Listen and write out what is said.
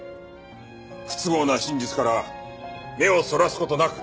不都合な真実から目をそらす事なく。